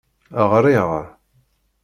Ɣriɣ.